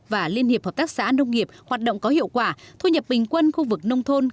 và liên hiệp hợp tác xã nông nghiệp hoạt động có hiệu quả thu nhập bình quân khu vực nông thôn